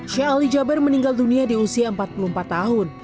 syahli jabir meninggal dunia di usia empat puluh empat tahun